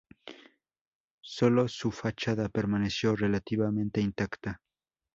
Sólo su fachada permaneció relativamente intacta.